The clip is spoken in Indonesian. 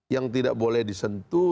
yang tidak boleh disentuh